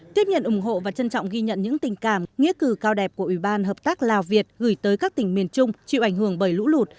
tiếp nhận ủng hộ và trân trọng ghi nhận những tình cảm nghĩa cử cao đẹp của ủy ban hợp tác lào việt gửi tới các tỉnh miền trung chịu ảnh hưởng bởi lũ lụt